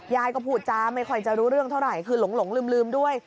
ยายก็พูดจ้าไม่ค่อยจะรู้เรื่องเท่าไหร่คือหลงลืมด้วย